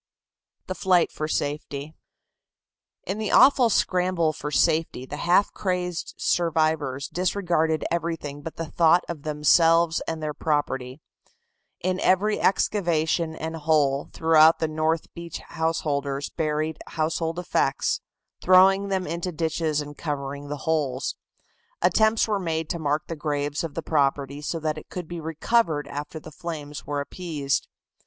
THE FLIGHT FOR SAFETY. In the awful scramble for safety the half crazed survivors disregarded everything but the thought of themselves and their property. In every excavation and hole throughout the north beach householders buried household effects, throwing them into ditches and covering the holes. Attempts were made to mark the graves of the property so that it could be recovered after the flames were appeased.